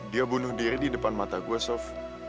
dia bunuh diri di depan mata gue sof